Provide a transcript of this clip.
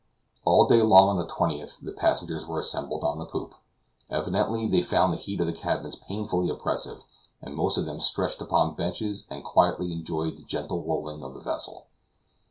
All day long on the 20th the passengers were assembled on the poop. Evidently they found the heat of the cabins painfully oppressive, and most of them lay stretched upon benches and quietly enjoyed the gentle rolling of the vessel.